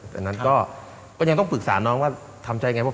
แต่นั้นก็ยังต้องปรึกษาน้องว่าทำใจไงว่า